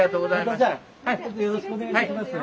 またよろしくお願いします。